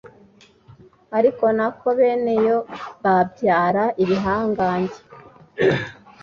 ari nako bene yo babyara ibihangange